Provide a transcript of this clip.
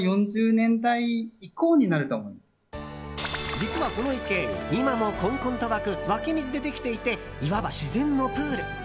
実は、この池今もこんこんと湧く湧き水でできていていわば自然のプール。